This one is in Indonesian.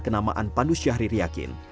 kenamaan pandus syahririakin